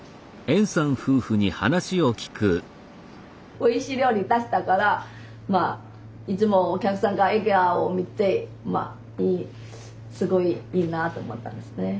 おいしい料理出したからいつもお客さんが笑顔を見てすごいいいなあと思ったんですね。